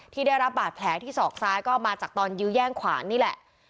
ที่ได้รับบาดแผลที่ศอกซ้ายก็มาจากตอนยื้อแย่งขวานนี่แหละ